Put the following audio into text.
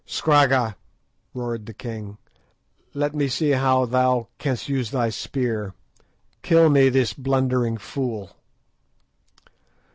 "Scragga," roared the king, "let me see how thou canst use thy spear. Kill me this blundering fool."